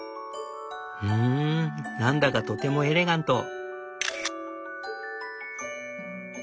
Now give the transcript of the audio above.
ふん何だかとてもエレガント！